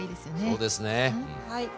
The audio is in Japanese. そうですね。